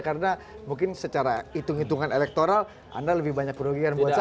karena mungkin secara hitung hitungan elektoral anda lebih banyak kerugikan buat saya